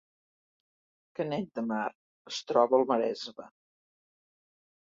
Canet de Mar es troba al Maresme